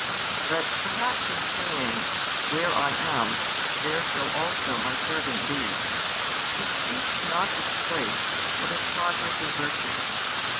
But perhaps in saying: where I am, there shall also My servant be, He speaks not of place, but of progress in virtue.